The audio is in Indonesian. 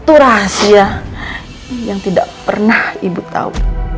itu rahasia yang tidak pernah ibu tahu